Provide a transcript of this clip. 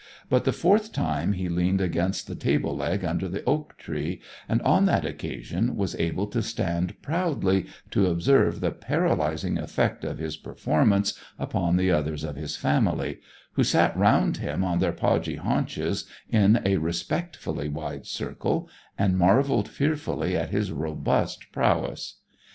But the fourth time he leaned against the table leg under the oak tree, and on that occasion was able to stand proudly to observe the paralysing effect of his performance upon the others of his family, who sat round him on their podgy haunches in a respectfully wide circle, and marvelled fearfully at his robust prowess.